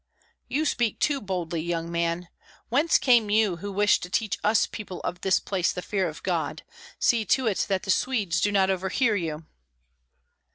"You speak too boldly, young man! Whence come you who wish to teach us people of this place the fear of God? See to it that the Swedes do not overhear you."